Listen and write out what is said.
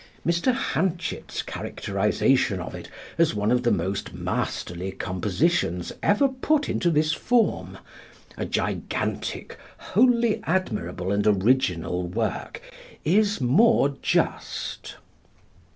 Mr. Hanchett's characterization of it as one of the most masterly compositions ever put into this form a gigantic, wholly admirable and original work is more just.